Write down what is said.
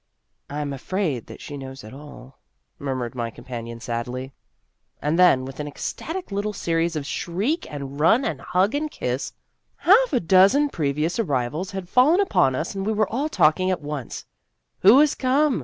" I am afraid that she knows it all," murmured my com panion sadly. And then, with an ecstatic little series of shriek and run and hug and kiss, half a dozen previous arrivals had fallen upon us, and we were all talking at once. Who has come